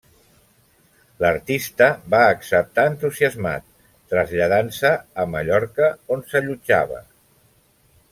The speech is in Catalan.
L'artista va acceptar entusiasmat, traslladant-se a Mallorca on s'allotjava.